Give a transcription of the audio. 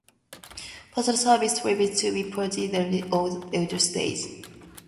Postal Service tribute to the Pony Express Riders of the Butterfield Stage.